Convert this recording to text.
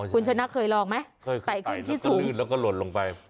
คุณชนะเคยลองไหมไตขึ้นที่สูงเคยไตแล้วก็นื่นแล้วก็หล่นลงไป